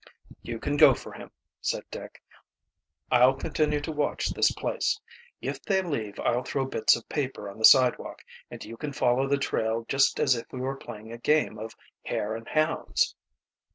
"You can go for him," said Dick. "I'll continue to watch this place. If they leave I'll throw bits of paper on the sidewalk and you can follow the trail just as if we were playing a game of hare and hounds."